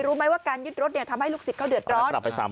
รู้ไหมว่าการยึดรถทำให้ลูกศิษย์เขาเดือดร้อน